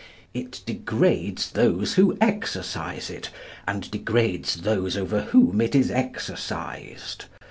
It degrades those who exercise it, and degrades those over whom it is exercised.